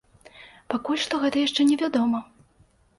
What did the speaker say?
Пакуль што гэта яшчэ не вядома.